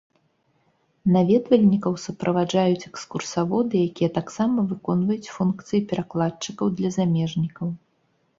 Наведвальнікаў суправаджаюць экскурсаводы, якія таксама выконваюць функцыі перакладчыкаў для замежнікаў.